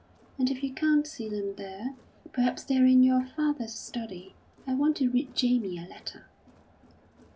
And if you can't see them there, perhaps they're in your father's study. I want to read Jamie a letter."